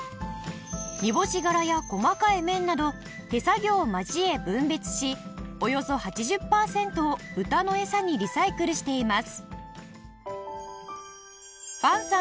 煮干しガラや細かい麺など手作業を交え分別しおよそ８０パーセントを豚のエサにリサイクルしています